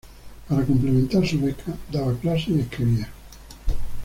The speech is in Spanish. Para complementar su beca daba clases y escribía.